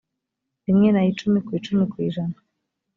rimwe na icumi ku icumi kwijana